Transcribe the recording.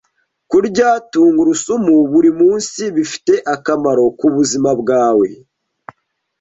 Kurya tungurusumu buri munsi bifite akamaro kubuzima bwawe?